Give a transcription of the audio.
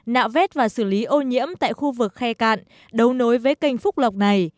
nạo vét và xử lý ô nhiễm tại khu vực khe cạn đấu nối với canh phú lộc này